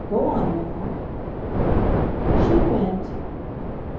Go on now." She went.